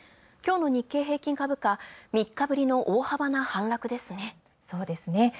今日の日経平均株価、３日ぶりの大幅な反落ですね。